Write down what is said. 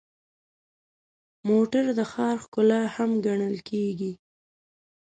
موټر د ښار ښکلا هم ګڼل کېږي.